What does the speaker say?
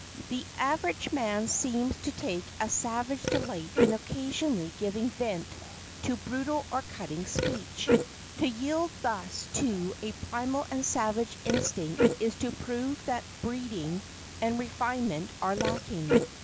The average man seems to take a savage delight in occasionally giving vent to brutal or cutting speech. To yield thus to a primal and savage instinct is to prove that breeding and refinement are lacking.